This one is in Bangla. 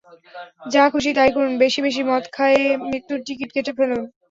যা-খুসি তাই করুন বেশি-বেশি মদ খায়ে মৃত্যুর টিকিট কেটে ফেলুন।